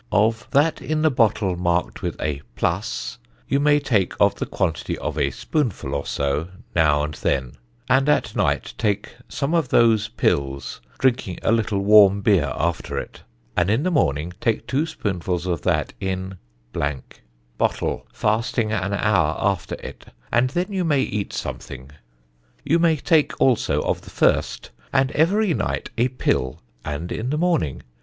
of that in the bottle marked with a + you may take of the quantity of a spoonfull or so, now and then, and at night take some of those pills, drinking a little warm beer after it, and in the morning take 2 spoonfulls of that in bottle fasting an hour after it, and then you may eat something, you may take also of the first, and every night a pill, and in the morning.